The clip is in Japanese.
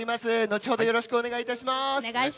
後ほどよろしくお願いします。